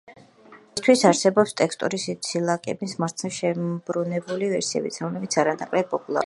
დღეისთვის არსებობს ტექსტური სიცილაკების მარცხნივ შებრუნებული ვერსიებიც, რომლებიც არანაკლები პოპულარობით სარგებლობს.